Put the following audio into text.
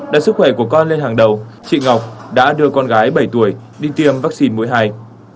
đặt sức khỏe của con lên hàng đầu chị ngọc đã đưa con gái bảy tuổi đi tiêm vaccine mũi hai